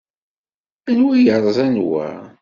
Anwa ay yerẓan wa?